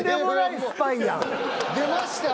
出ました。